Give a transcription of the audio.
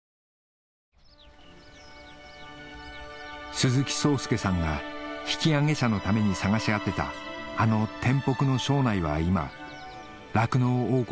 鈴木壮助さんが引き揚げ者のために探し当てたあの天北の庄内は今酪農王国